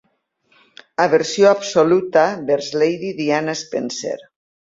Aversió absoluta vers Lady Diana Spencer.